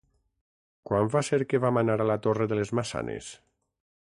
Quan va ser que vam anar a la Torre de les Maçanes?